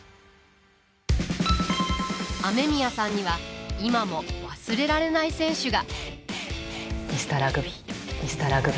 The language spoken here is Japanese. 雨宮さんには今も忘れられない選手が。